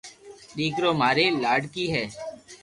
ديڪري ماري لاڌڪي ھي